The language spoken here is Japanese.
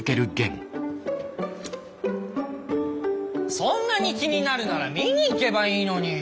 そんなに気になるなら見に行けばいいのに。